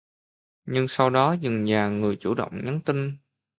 Nhưng sau đó dần dà người chủ động nhắn tin